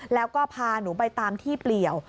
แล้วก็พาหนูไปตามที่เปลี่ยว